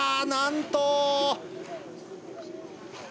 何と！